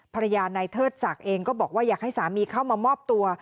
ภรรยานายเทิดศักดิ์เองก็บอกว่าอยากให้สามีเข้ามามอบตัว